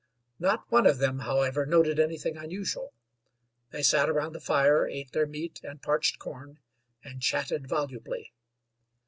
Not one of them, however, noted anything unusual. They sat around the fire, ate their meat and parched corn, and chatted volubly.